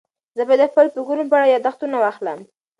زه باید د خپلو فکرونو په اړه یاداښتونه واخلم.